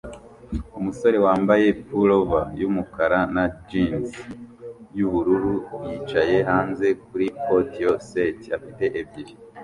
Umusore wambaye pullover yumukara na jans yubururu yicaye hanze kuri patio set afite byeri